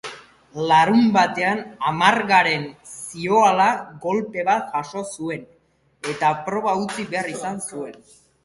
Larunbatean amargaren zioala golpe bat jaso eta proba utzi behar izan zuen.